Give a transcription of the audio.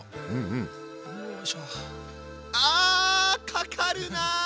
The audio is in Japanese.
かかるな！